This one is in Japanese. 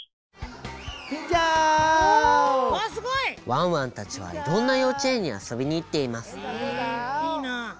ワンワンたちはいろんなようちえんにあそびにいっています。